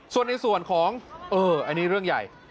ส่วนในส่วนของอันนี้เรื่องใหญ่